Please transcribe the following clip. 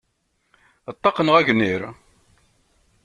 Ṭṭaq neɣ agnir?